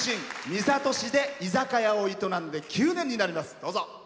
三郷市で居酒屋を営んで９年になります。